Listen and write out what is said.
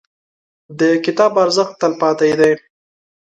• د کتاب ارزښت، تلپاتې دی.